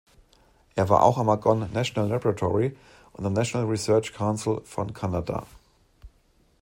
Er war auch am Argonne National Laboratory und am National Research Council von Kanada.